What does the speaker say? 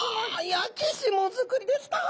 焼き霜造りですか。